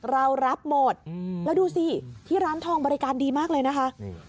เรารับหมดแล้วดูสิที่ร้านทองบริการดีมากเลยนะคะ